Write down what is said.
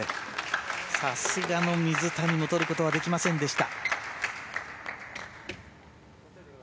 さすがの水谷も取ることができませんでした。